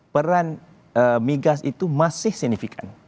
peran migas itu masih signifikan